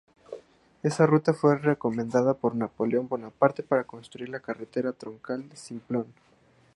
Esta ruta fue retomada por Napoleón Bonaparte para construir la carretera troncal de Simplon.